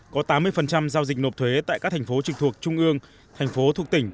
có tám mươi giao dịch nộp thuế tại các thành phố trực thuộc trung ương thành phố thuộc tỉnh